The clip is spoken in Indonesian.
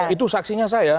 itu saksinya saya